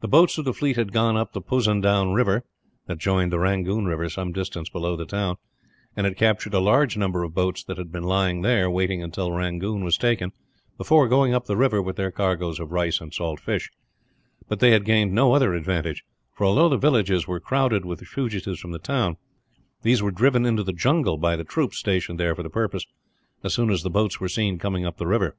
The boats of the fleet had gone up the Puzendown river, that joined the Rangoon river some distance below the town, and had captured a large number of boats that had been lying there, waiting until Rangoon was taken before going up the river with their cargoes of rice and salt fish; but they had gained no other advantage for, although the villages were crowded with fugitives from the town, these were driven into the jungle by the troops stationed there for the purpose, as soon as the boats were seen coming up the river.